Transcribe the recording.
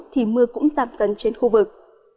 thì mưa cũng giảm dần trên khu vực